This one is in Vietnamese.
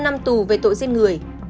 một mươi năm năm tù về tội giết người